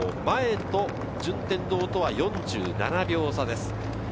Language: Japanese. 前の順天堂とは４７秒差です。